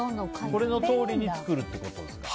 このとおりに作るってことですか。